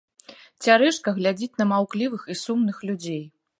Цярэшка глядзіць на маўклівых і сумных людзей.